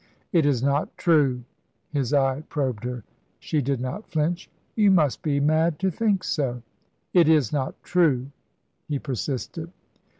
"It is not true!" His eye probed her. She did not flinch. "You must be mad to think so." "It is not true?" he persisted.